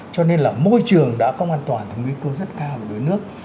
cho nên là môi trường đã không an toàn có nguy cơ rất cao để đuối nước